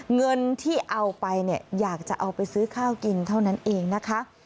เงินที่เอาไปเนี่ยอยากจะเอาไปซื้อข้าวกินเท่านั้นเองนะคะ